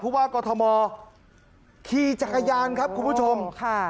ว่ากอทมขี่จักรยานครับคุณผู้ชมค่ะ